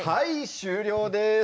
終了です。